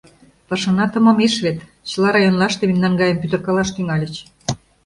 — Пашана томамеш вет, чыла районлаште мемнан гайым пӱтыркалаш тӱҥальыч.